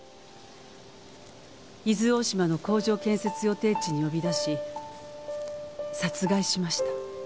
「伊豆大島の工場建設予定地に呼び出し殺害しました」